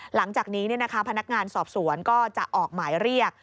หลังจากนี้พนักงานสอบสวนก็จะออกหมายเรียก